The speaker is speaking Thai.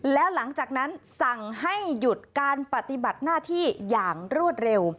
แล้วหลังจากนั้นสั่งให้หยุดการปฏิบัติหน้าที่อย่างรวดเร็ว